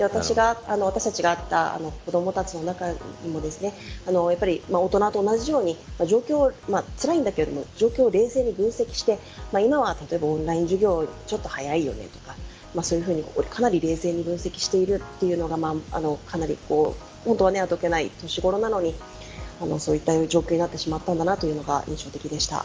私たちが会った子どもたちの中にも大人と同じようにつらいんだけど状況を冷静に分析して今はオンライン授業ちょっと早いよねとかそういうふうにかなり冷静に分析しているのが本当はあどけない年頃なのにそういった状況になってしまったんだというのが印象的でした。